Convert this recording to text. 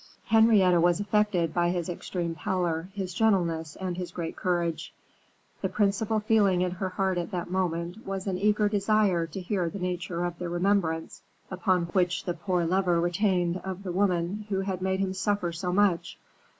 Henrietta was affected by his extreme pallor, his gentleness, and his great courage. The principal feeling in her heart at that moment was an eager desire to hear the nature of the remembrance which the poor lover retained of the woman who had made him suffer so much.